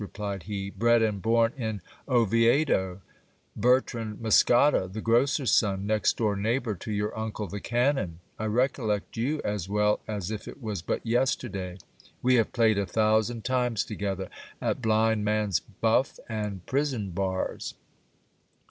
replied he, bred and born in Oviedo ; Bertrand Muscada, the grocer's son, next door neighbour to your uncle the canon. I recollect you as well as if it was but yesterday. We have played a thousand times together at blind man's buff and prison bars.